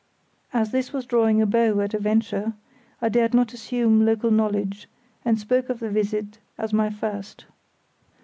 As this was drawing a bow at a venture, I dared not assume local knowledge, and spoke of the visit as my first.